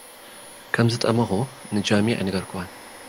ከምዝጠመኹ ንጃሚ ኣይነገርክዋን።